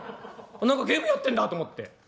何かゲームやってんだと思って。